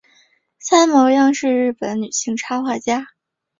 三毛央是日本女性插画家。